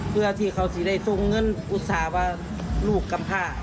เพื่อที่เขาจะได้ส่งเงินอุตส่าห์ว่าลูกกำพา